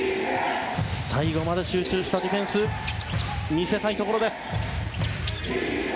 最後まで集中したディフェンスを見せたいところです。